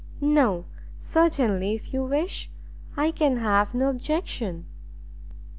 "No, certainly, if you wish it, I can have no objection."